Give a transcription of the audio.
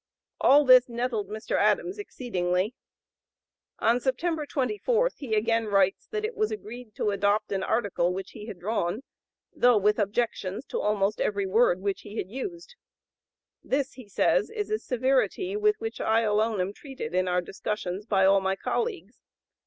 All this nettled Mr. Adams exceedingly. On September 24 he again writes that it was agreed to adopt an article which he had drawn, "though with objections to almost every word" which he had used. "This," he says, "is a severity with which I alone am treated in our discussions by all my colleagues.